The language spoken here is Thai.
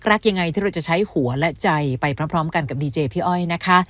รักยังไงที่เราจะใช้หัวและใจไปพร้อมกันกับดีเจพี่อ้อยนะคะ